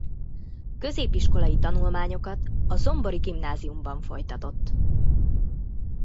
Középiskolai tanulmányokat a zombori gimnáziumban folytatott.